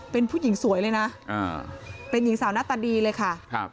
เป็นผู้หญิงสวยเลยนะเป็นหญิงสาวหน้าตาดีเลยค่ะครับ